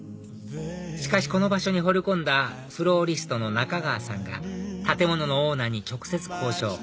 しかしこの場所にほれ込んだフローリストの中川さんが建物のオーナーに直接交渉